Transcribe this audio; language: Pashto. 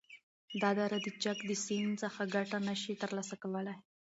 دا دره د چک د سیند څخه گټه نشی تر لاسه کولای،